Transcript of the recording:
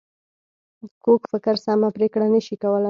کوږ فکر سمه پرېکړه نه شي کولای